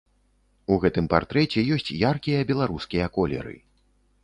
У гэтым партрэце ёсць яркія беларускія колеры.